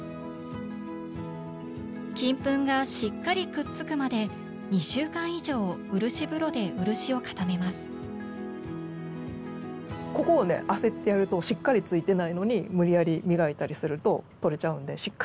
金粉がしっかりくっつくまでここをね焦ってやるとしっかりついてないのに無理やり磨いたりすると取れちゃうんでしっかりひっついてから。